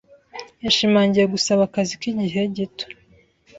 Yashimangiye gusaba akazi k'igihe gito.